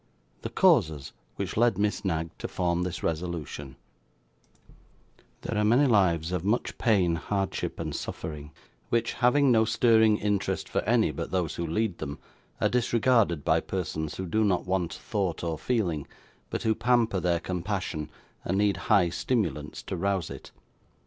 The Causes which led Miss Knag to form this Resolution There are many lives of much pain, hardship, and suffering, which, having no stirring interest for any but those who lead them, are disregarded by persons who do not want thought or feeling, but who pamper their compassion and need high stimulants to rouse it.